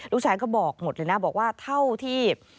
ลูกชายก็บอกหมดเลยนะบอกว่าเท่าที่